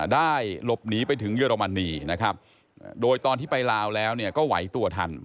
ได้หลบหนีไปถึงเยอรมนีนะครับโดยตอนที่ไปลาวแล้วก็ไหวตัวทัน